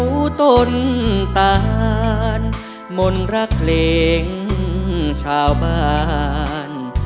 แผ่วต้นตานหม่นรักเล็งชาวบ้าน